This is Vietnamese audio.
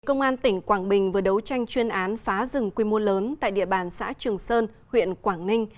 công an tỉnh quảng bình vừa đấu tranh chuyên án phá rừng quy mô lớn tại địa bàn xã trường sơn huyện quảng ninh